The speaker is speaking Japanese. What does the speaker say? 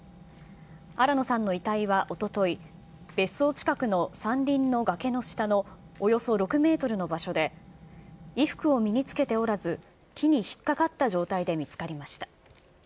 新野さんの遺体はおととい、別荘近くの山林の崖の下のおよそ６メートルの場所で、衣服を身に着けておらず、木に引っ掛かった状態で見つかりました。